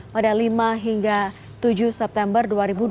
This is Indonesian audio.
pada lima hingga tujuh september dua ribu dua puluh